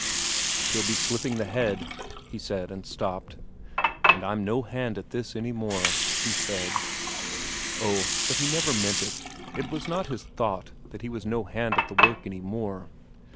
"She'll be slipping the head," he said, and stopped. "And I'm no hand at this any more," he said. Oh, but he never meant it; it was not his thought, that he was no hand at the work any more!